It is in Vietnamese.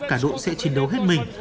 cả đội sẽ chiến đấu hết mình